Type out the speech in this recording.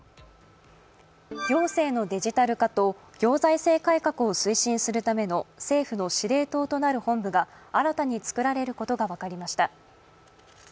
行政のデジタル化と行財政改革を推進するための政府の司令塔となる本部が新たに作られることが分かりました。